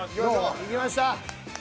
いきました。